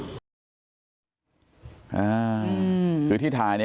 อ่าคือที่ถ่ายเนี่ย